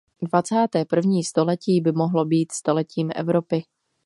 Dvacáté první století by mohlo být stoletím Evropy.